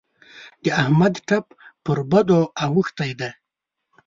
د احمد ټپ پر بدو اوښتی دی.